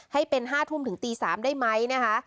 ให้เป็น๕ทุ่มถึงตี๓ได้ไหมนะคะ